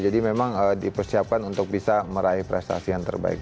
jadi memang dipersiapkan untuk bisa meraih prestasi yang terbaik